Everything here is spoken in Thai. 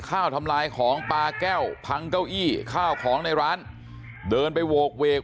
ทำลายของปลาแก้วพังเก้าอี้ข้าวของในร้านเดินไปโหกเวก